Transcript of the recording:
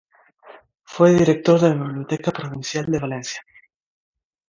Fue director de la Biblioteca Provincial de Valencia.